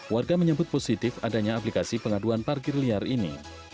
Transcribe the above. warga menyebut positif adanya aplikasi pengaduan parkir liar ini